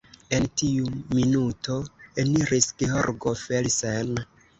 En tiu minuto eniris Georgo Felsen.